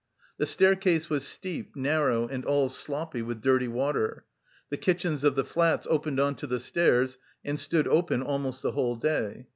The staircase was steep, narrow and all sloppy with dirty water. The kitchens of the flats opened on to the stairs and stood open almost the whole day.